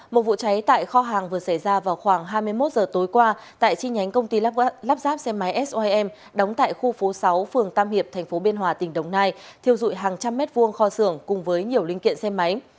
một vụ cháy tại kho hàng vừa xảy ra vào khoảng hai mươi một h tối qua tại chi nhánh công ty lắp ráp xe máy soim đóng tại khu phố sáu phường tam hiệp tp biên hòa tỉnh đồng nai thiêu dụi hàng trăm mét vuông kho xưởng cùng với nhiều linh kiện xe máy